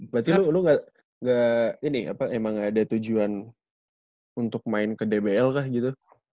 berarti lu gak ini apa emang ada tujuan untuk main ke dbl kah gitu